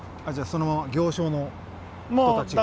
行商の人たちが。